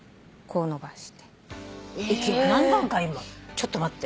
ちょっと待って。